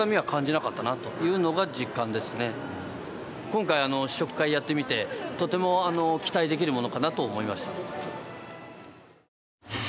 今回試食会をやってみてとても期待できるものかなと思いました。